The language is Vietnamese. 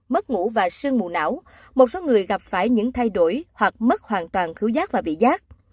mất ngủ và sương mù não một số người gặp phải những thay đổi hoặc mất hoàn toàn thiếu giác và bị giác